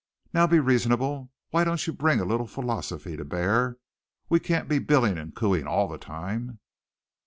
Now be reasonable. Why don't you bring a little philosophy to bear? We can't be billing and cooing all the time!"